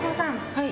はい。